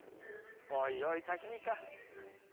おいおい刺身か。